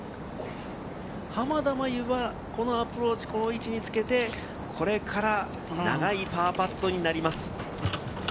濱田茉優はこのアプローチ、この位置につけて、これから長いパーパットになります。